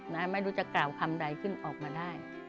ไม่รู้จะกล่าวคำใดขึ้นออกมาได้